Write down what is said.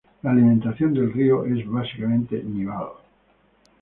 La alimentación del río es básicamente nival.